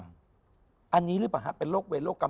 อันนี้หรือเปล่าฮะเป็นโรคเวโรคกรรม